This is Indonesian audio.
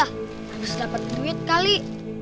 harus dapat duit kali